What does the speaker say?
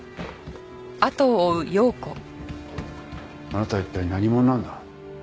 あなたは一体何者なんだ？